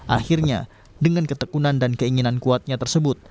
akhirnya dengan ketekunan dan keinginan kuatnya tersebut